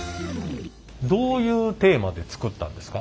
どういうテーマで作ったんですか？